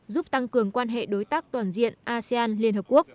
giúp tăng cường quan hệ đối tác toàn diện asean liên hợp quốc